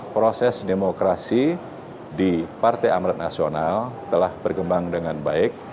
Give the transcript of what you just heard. proses demokrasi di partai amret nasional telah berkembang dengan baik